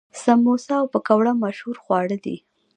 سموسه او پکوړه مشهور خواړه دي.